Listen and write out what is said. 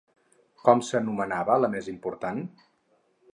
Com s'anomenava la més important?